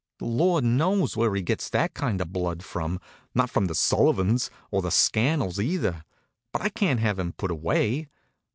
The Lord knows where he gets that kind of blood from not from the Sullivans, or the Scannells, either. But I can't have him put away.